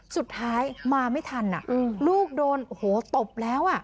สุดท้ายมาไม่ทันอะลูกโดนโหตบแล้วอะ